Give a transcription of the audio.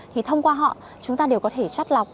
thì thông qua họ chúng ta đều có thể chắt lọc